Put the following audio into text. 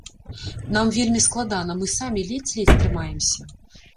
Нам вельмі складана, мы самі ледзь-ледзь трымаемся.